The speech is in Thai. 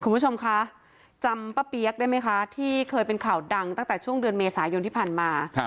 คุณผู้ชมคะจำป้าเปี๊ยกได้ไหมคะที่เคยเป็นข่าวดังตั้งแต่ช่วงเดือนเมษายนที่ผ่านมา